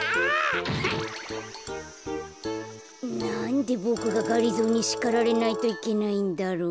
・なんでボクががりぞーにしかられないといけないんだろう？